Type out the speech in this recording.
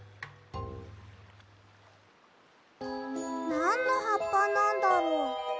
なんのはっぱなんだろう？